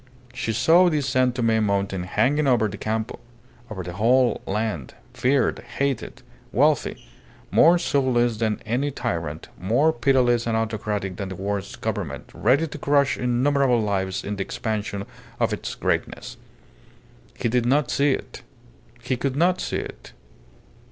She saw the San Tome mountain hanging over the Campo, over the whole land, feared, hated, wealthy; more soulless than any tyrant, more pitiless and autocratic than the worst Government; ready to crush innumerable lives in the expansion of its greatness. He did not see it. He could not see it.